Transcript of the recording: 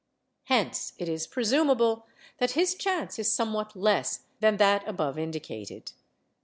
Hence it is presumable that his chance is somewhat less than that above indicated.